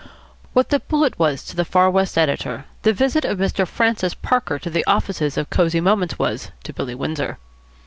What the bullet was to the Far West editor, the visit of Mr. Francis Parker to the offices of Cosy Moments was to Billy Windsor.